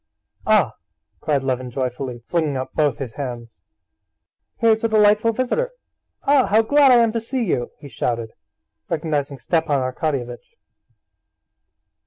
"Ah," cried Levin joyfully, flinging up both his hands. "Here's a delightful visitor! Ah, how glad I am to see you!" he shouted, recognizing Stepan Arkadyevitch.